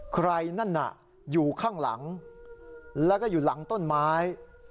นั่นน่ะอยู่ข้างหลังแล้วก็อยู่หลังต้นไม้